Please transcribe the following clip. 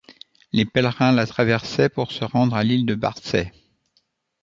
Les pèlerins la traversaient pour se rendre à l'île de Bardsey.